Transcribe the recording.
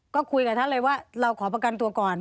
ก็คุยกับท่านเลยว่าเราขอประกันตัวก่อน